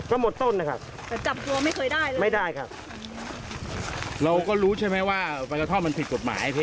ก็หมดต้นนะครับไม่ได้ครับเราก็รู้ใช่ไหมว่ามันผิดกฎหมาย